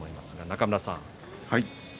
中村さん